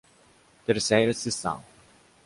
Terceira seção